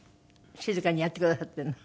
静かにやってくださってるの？